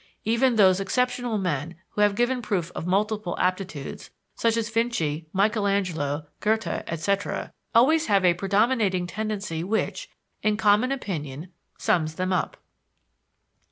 Even those exceptional men who have given proof of multiple aptitudes, such as Vinci, Michaelangelo, Goethe, etc., always have a predominating tendency which, in common opinion, sums them up.